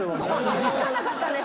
分かんなかったんです。